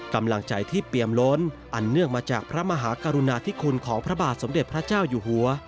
กำลังใจที่เปรียมล้นอันเนื่องมาจากพระมหากรุณาธิคุณของพระบาทสมเด็จพระเจ้าอยู่หัว